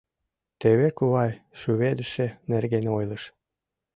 — Теве кувай шӱведыше нерген ойлыш.